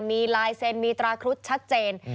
มีลายเซ็นมีตราครุฑชัดเจน